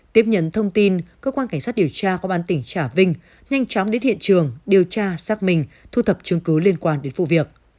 tiếp nhận thông tin cơ quan cảnh sát điều tra công an tỉnh trà vinh nhanh chóng đến hiện trường điều tra xác minh thu thập chứng cứ liên quan đến vụ việc